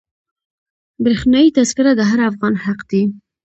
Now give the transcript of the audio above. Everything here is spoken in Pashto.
برښنایي تذکره د هر افغان حق دی.